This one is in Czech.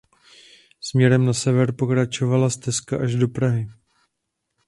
Směrem na sever pokračovala stezka až do Prahy.